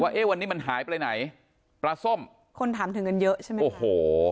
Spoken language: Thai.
เอ๊ะวันนี้มันหายไปไหนปลาส้มคนถามถึงกันเยอะใช่ไหมโอ้โห